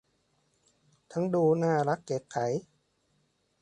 ทั้งดูน่ารักเก๋ไก๋